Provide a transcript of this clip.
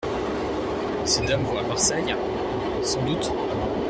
Ces dames vont à Marseille, sans doute ?…